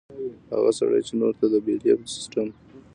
هغه سړے چې نورو ته د بيليف سسټم